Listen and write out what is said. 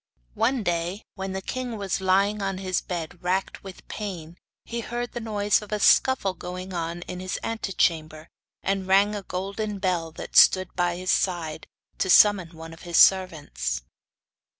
One day, when the king was lying on his bed racked with pain, he heard the noise of a scuffle going on in his antechamber, and rang a golden bell that stood by his side to summon one of his servants.